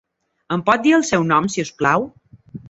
Em pot dir el seu nom, si us plau?